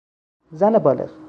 زن بالغ